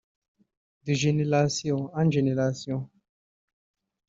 de generation en generation